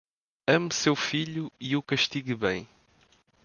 Ame seu filho e o castigue bem.